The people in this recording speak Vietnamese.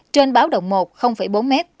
trên báo động một bốn m